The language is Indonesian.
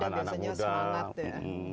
biasanya semangat lagi anak anak muda